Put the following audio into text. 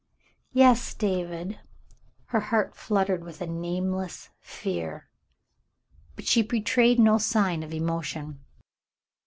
"Yes, David." Her heart fluttered with a nameless fear, but she betrayed no sign of emotion.